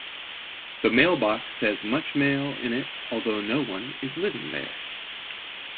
The mailbox has much mail in it although no one is living there.